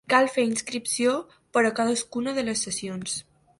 Cal fer inscripció per a cadascuna de les sessions.